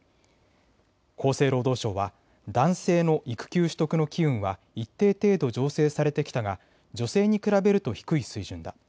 厚生労働省は男性の育休取得の機運は一定程度、醸成されてきたが女性に比べると低い水準だ。